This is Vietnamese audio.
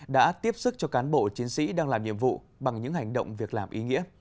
đã tiếp sức cho cán bộ chiến sĩ đang làm nhiệm vụ bằng những hành động việc làm ý nghĩa